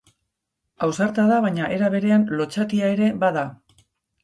Ausarta da baina era berean lotsatia ere bada.